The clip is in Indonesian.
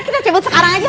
kita cebut sekarang aja